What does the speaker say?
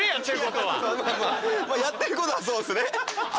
やってることはそうですね。